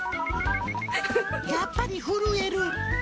やっぱり震える。